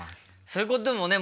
そういうこともね